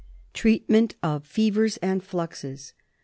Treatment of Fevers and Fluxes.